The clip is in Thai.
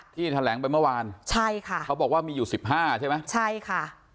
แถลงไปเมื่อวานใช่ค่ะเขาบอกว่ามีอยู่สิบห้าใช่ไหมใช่ค่ะ